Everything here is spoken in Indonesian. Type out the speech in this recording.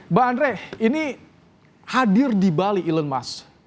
mbak andre ini hadir di bali elon musk